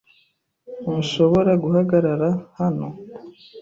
Ntushobora guhagarara hano .